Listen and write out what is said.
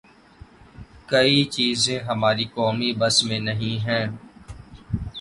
کئی چیزیں ہمارے قومی بس میں نہیں ہیں۔